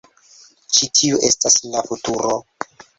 Ĉi tiu estas la futuro.